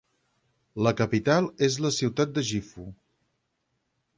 La capital és la ciutat de Gifu.